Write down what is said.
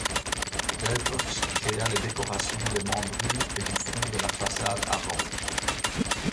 Cuypers créa les décorations des membrures et du front de la façade avant.